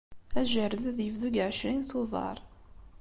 Ajerred ad yebdu deg ɛecrin Tubeṛ.